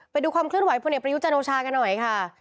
ไปดูความเคลื่อนไหวพลเอกประยุจันโอชากันหน่อยค่ะ